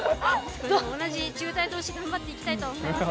同じ１０代同士頑張っていきたいと思います。